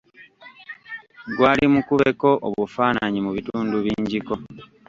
Gwali mukubeko obufaananyi mu bitundu bingiko.